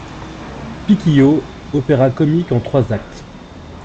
=Piquillo.= Opéra-comique en trois actes.